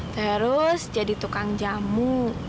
terus jadi tukang jamu